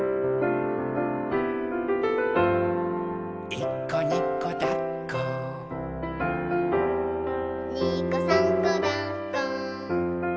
「いっこにこだっこ」「にこさんこだっこ」